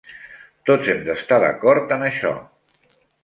Tots hem d'estar d'acord en això.